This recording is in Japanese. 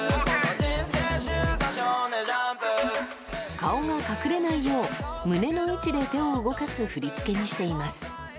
顔が隠れないよう、胸の位置で手を動かす振り付けにしています。